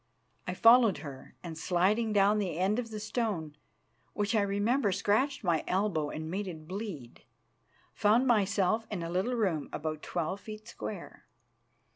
I followed her, and sliding down the end of the stone which I remember scratched my elbow and made it bleed found myself in a little room about twelve feet square.